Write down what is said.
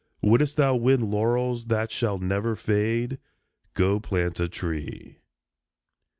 Wouldst thou win laurels that shall never fade? Go plant a tree.